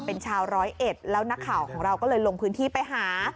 เป็นชาวร้อยเอ็ดแล้วนักข่าวของเราก็เลยลงพื้นที่ไปหา